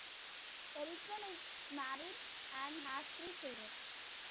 Eriksen is married and has three children.